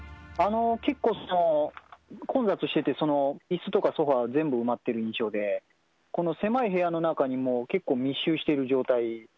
結構、混雑してて、いすとかソファー、全部埋まってる印象で、この狭い部屋の中に、結構密集している状態。